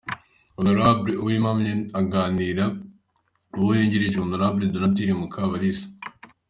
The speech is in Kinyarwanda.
Hon Uwimanimpaye aganira n’ uwo yungirije Hon Donatille Mukabalisa.